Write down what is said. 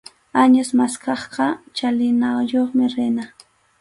Añas maskaqqa chalinayuqmi rina.